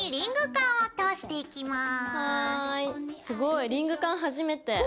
すごいリングカン初めて。